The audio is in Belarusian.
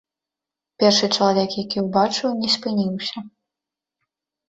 Першы чалавек, які ўбачыў, не спыніўся.